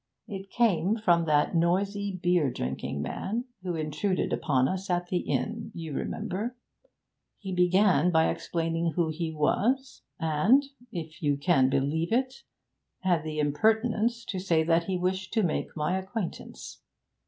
It came from that noisy, beer drinking man who intruded upon us at the inn you remember. He began by explaining who he was, and if you can believe it had the impertinence to say that he wished to make my acquaintance!